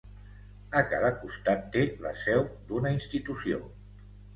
A cada costat té la seu d'una institució.